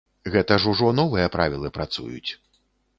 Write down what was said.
Гэта ж ужо новыя правілы працуюць.